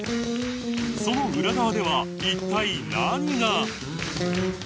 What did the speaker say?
その裏側では一体何が？